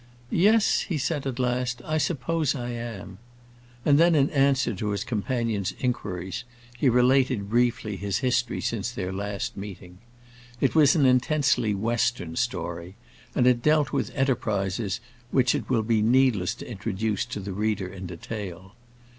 "Yes," he said at last, "I suppose I am." And then, in answer to his companion's inquiries, he related briefly his history since their last meeting. It was an intensely Western story, and it dealt with enterprises which it will be needless to introduce to the reader in detail.